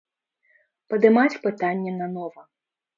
Падымаць пытанне на нова.